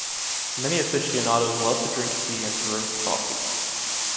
Many aficionados love to drink tea and to roast coffee.